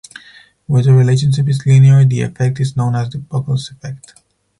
Where the relationship is linear, the effect is known as the Pockels effect.